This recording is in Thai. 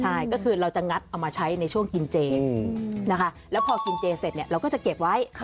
ใช่ก็คือเราจะงัดเอามาใช้ในช่วงกินเจนะคะแล้วพอกินเจเสร็จเนี่ยเราก็จะเก็บไว้